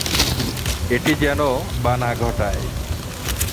এটি যেন বা না ঘটায়।